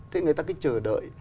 thế người ta cứ chờ đợi